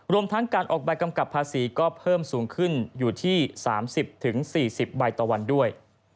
รวมทั้งการออกใบกำกับภาษีก็เพิ่มสูงขึ้นอยู่ที่๓๐๔๐ใบต่อวันด้วย